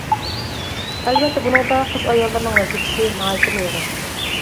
ئەلۋەتتە، بۇنىڭدا قىز-ئاياللارنىڭ ۋەزىپىسى ناھايىتىمۇ ئېغىر.